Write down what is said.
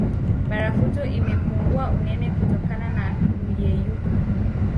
Barafuto imepungua unene kutokana na kuyeyuka